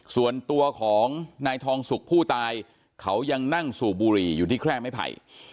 ส่วนตัวของนายทองสุกผู้ตายเขายังนั่งสูบบุหรี่อยู่ที่แคร่ไม้ไผ่